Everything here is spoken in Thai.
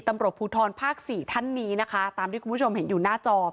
ตำรวจภูทรภาคสี่ท่านนี้นะคะตามที่คุณผู้ชมเห็นอยู่หน้าจอ